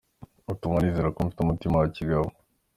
Utuma nizera ko mfite umutima wa kigabo.